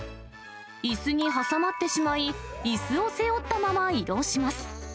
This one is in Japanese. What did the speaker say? いすに挟まってしまい、いすを背負ったまま移動します。